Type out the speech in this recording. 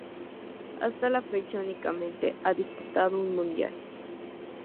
Hasta la fecha únicamente ha disputado un mundial.